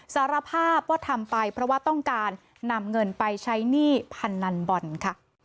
สารภาพว่าทำไปเพราะว่าต้องการนำเงินไปใช้หนี้พนันบอลค่ะ